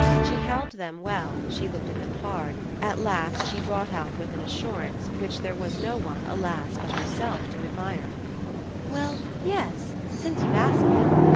She held them well, she looked at them hard; at last she brought out with an assurance which there was no one, alas, but herself to admire: "Well, yes since you ask me."